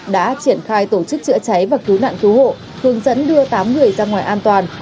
đã triển khai tổ chức chữa cháy và cứu nạn cứu hộ hướng dẫn đưa tám người ra ngoài an toàn